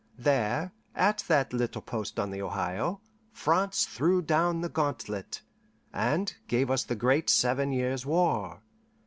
There, at that little post on the Ohio, France threw down the gauntlet, and gave us the great Seven Years War.